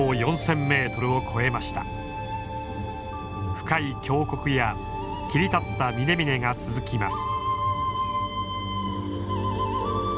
深い峡谷や切り立った峰々が続きます。